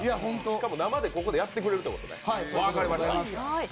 しかも生でここでやってくれるということなんだ。